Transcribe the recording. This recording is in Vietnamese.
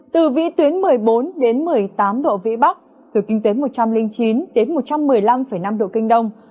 từ vĩ tuyến một mươi bốn đến một mươi tám độ vĩ bắc từ kinh tế một trăm linh chín đến một trăm một mươi năm năm độ kinh đông